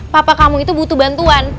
papa kamu itu butuh bantuan